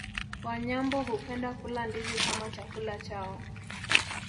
Wanyambo hupenda kula ndizi kama chakula chao